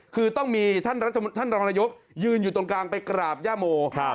คือต้องมีท่านรัสธรรมท่านรองระยุกต์ยืนอยู่ตรงกลางไปกราบย่าโมครับ